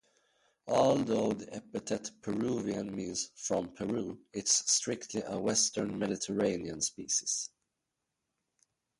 Although the epithet "peruviana" means "from Peru", it is strictly a western Mediterranean species.